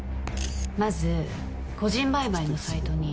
まず個人売買のサイトに